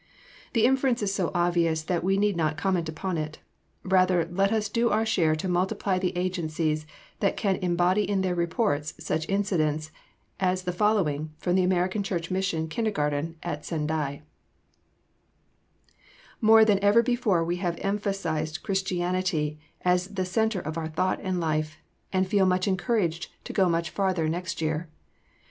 The inference is so obvious that we need not comment upon it. Rather let us do our share to multiply the agencies that can embody in their reports such incidents as the following from the American Church Mission Kindergarten at Sendai: "More than ever before have we emphasized Christianity as the center of our thought and life, and feel much encouraged to go much farther next year.